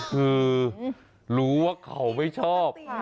คือรู้ว่าเขาไม่ชอบ